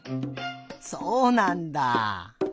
そうなんだ。